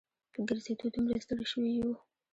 په ګرځېدو دومره ستړي شوي وو.